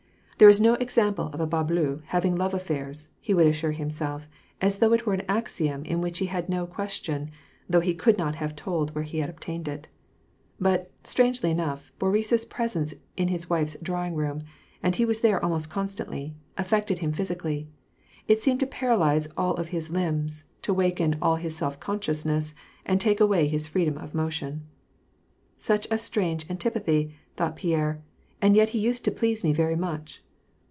" There is no example of a bas bleu having love affairs," he would assure himself, as though it were an axiom in which he had no question, though he could not have told where he obtained it. But, strangely enough, Boris's presence in his wife's draw ing room — and he was there almost constantly — affected him physically : it seemed to paralyze all of his limbs, to waken all his self consciousness, and take away his freedom of motion. " Such a strange antipathy," thought Pierre, " and yet he used to please me very much."